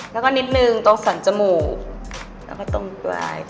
และก็นิดนึงตรงส่านจมูก